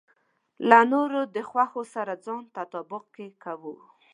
له نورو د خوښو سره ځان تطابق کې کوو.